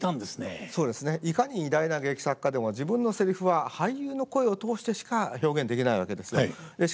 いかに偉大な劇作家でも自分のセリフは俳優の声を通してしか表現できないわけです。